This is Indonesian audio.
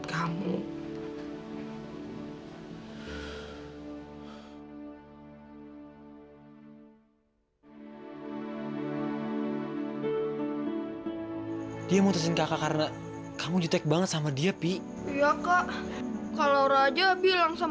yudh yudh yudh gak usah ngomong gak usah ngomong ya